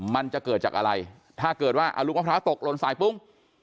มันจะเกิดจากอะไรถ้าเกิดว่าอรุณพระพระตกลงสายปุ้ง